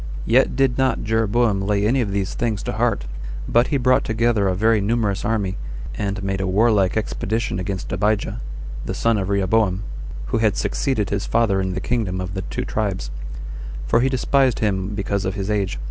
2. Yet did not Jeroboam lay any of these things to heart, but he brought together a very numerous army, and made a warlike expedition against Abijah, the son of Rehoboam, who had succeeded his father in the kingdom of the two tribes; for he despised him because of his age.